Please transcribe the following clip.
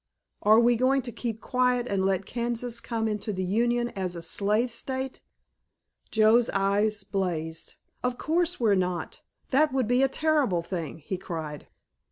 Are we going to keep quiet and let Kansas come into the Union as a slave State?" Joe's eyes blazed. "Of course we're not. That would be a terrible thing," he cried.